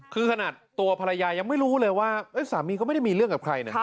คือขนาดตัวภรรยายังไม่รู้เลยว่าสามีเขาไม่ได้มีเรื่องกับใครนะ